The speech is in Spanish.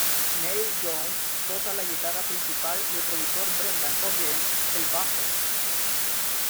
Neil Young toca la guitarra principal y el productor Brendan O'Brien el bajo.